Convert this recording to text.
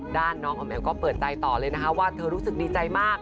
ด้านน้องออมแอลก็เปิดใจต่อเลยนะคะว่าเธอรู้สึกดีใจมาก